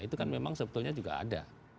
itu kan memang sebetulnya juga ada